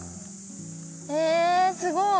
えすごい。